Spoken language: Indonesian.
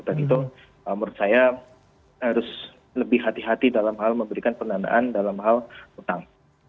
dan itu menurut saya harus lebih hati hati dalam hal memberikan pendanaan dalam hal utang